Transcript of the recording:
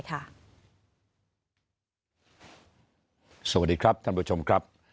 สวัสดีครับท่านผู้ชมครับ